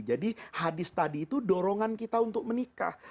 jadi hadis tadi itu dorongan kita untuk menikah